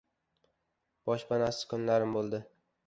Boshpanasiz kunlarim bo‘ldi.